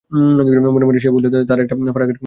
মনে মনে সে বুঝলে তার একটা ফাঁড়া কেটে গেল।